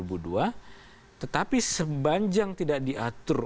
untuk mengatur hukum acara sendiri di dalam undang undang tiga puluh tahun dua ribu dua